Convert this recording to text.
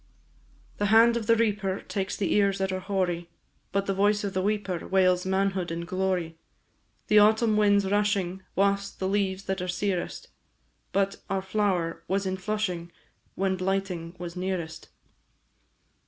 The hand of the reaper Takes the ears that are hoary, But the voice of the weeper Wails manhood in glory. The autumn winds rushing Wafts the leaves that are searest, But our flower was in flushing When blighting was nearest.